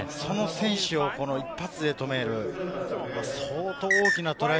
その選手を一発で止める相当大きなトライ